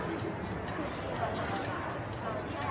มันเป็นสิ่งที่จะให้ทุกคนรู้สึกว่า